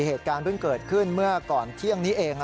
เหตุการณ์เพิ่งเกิดขึ้นเมื่อก่อนเที่ยงนี้เอง